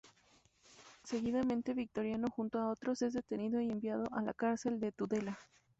Seguidamente Victoriano junto a otros es detenido y enviado a la cárcel de Tudela.